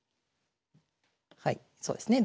はいそうですね。